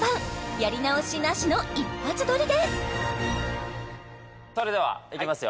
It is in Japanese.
やり直しなしの一発撮りですそれではいきますよ